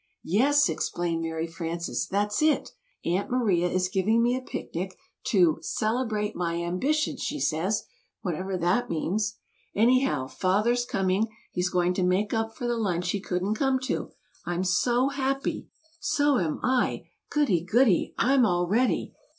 "Yes!" explained Mary Frances, "that's it! Aunt Maria is giving me a picnic to 'celebrate my ambition,' she says whatever that means. Anyhow, Father's coming. He's going to make up for the lunch he couldn't come to. I'm so happy!" [Illustration: "It's a picnic!"] "So'm I! Goody! Goody! I'm all ready!"